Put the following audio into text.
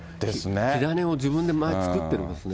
火種を自分で作ってるんですね。